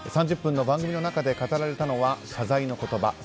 ３０分の番の中で語られたのは謝罪の言葉。